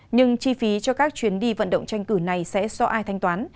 nhưng chi phí cho các chuyến đi vận động tranh cử này sẽ do ai thanh toán